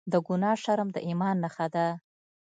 د ګناه شرم د ایمان نښه ده.